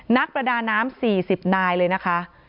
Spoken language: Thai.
นักประดาน้ำ๔๐นายเลยนะคะ